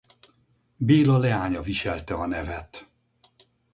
Béla leánya viselte a nevet.